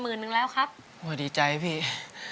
ถึงพร้อมมาให้รัก